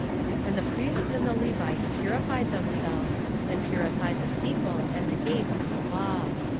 16:012:030 And the priests and the Levites purified themselves, and purified the people, and the gates, and the wall.